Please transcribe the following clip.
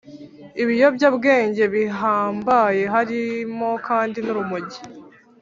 Ibiyobyabwenge bihambaye harimo kandi n’urumogi